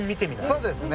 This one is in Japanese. そうですね